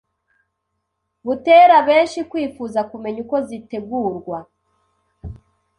butera benshi kwifuza kumenya uko zitegurwa,